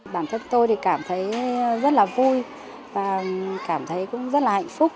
bản thân tôi thì cảm thấy rất là vui và cảm thấy cũng rất là hạnh phúc